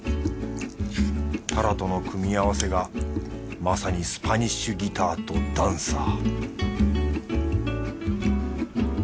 タラとの組み合わせがまさにスパニッシュギターとダンサー